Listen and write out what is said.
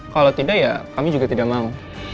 kalau tidak ya kami juga tidak mau